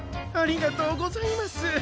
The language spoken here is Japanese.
ありがとうございます。